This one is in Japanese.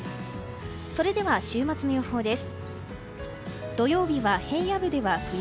それでは週末の予報です。